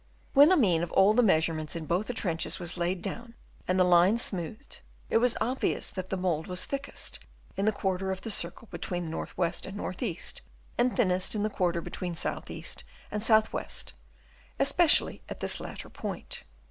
When a mean of all the measurements in both the trenches was laid down and the line smoothed, it was obvious that the mould was thickest in the quarter of the circle between north west and north east; and thinnest in the quarter between south east and south west, especially at this latter point.